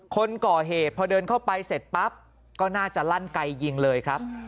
คนก่อเหตุพอเดินเข้าไปเสร็จปั๊บก็น่าจะลั่นไกยิงเลยครับ